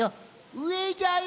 うえじゃよ！